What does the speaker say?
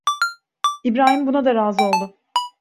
İbrahim buna da razı oldu.